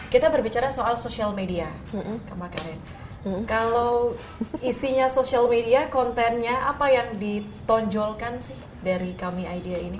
kita berbicara soal social media kemarin kalau isinya social media kontennya apa yang ditonjolkan sih dari kami idea ini